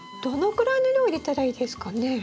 どのくらいの量入れたらいいですかね？